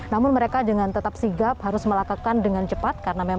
namun mereka dengan tetap sigap harus melakukan dengan cepat